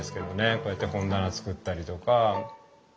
こうやって本棚作ったりとか。